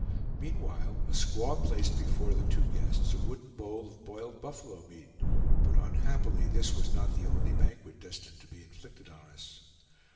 Meanwhile a squaw placed before the two guests a wooden bowl of boiled buffalo meat, but unhappily this was not the only banquet destined to be inflicted on us.